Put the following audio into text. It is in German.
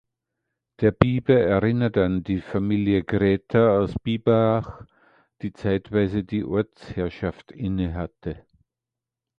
Der Biber erinnert an die Familie Gräter aus Biberach, die zeitweise die Ortsherrschaft innehatte.